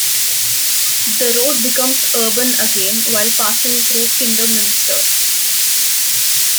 The road becomes urban again while passing through Kidderminster.